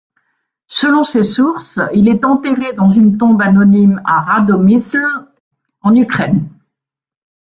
Selon ces sources il est enterré dans une tombe anonyme à Radomyšl, en Ukraine.